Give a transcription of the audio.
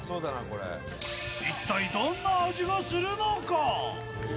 一体どんな味がするのか。